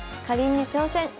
かりんに挑戦！